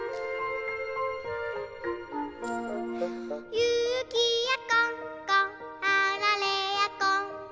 「ゆきやこんこあられやこんこ」